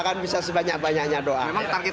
terima kasih banyak banyaknya doa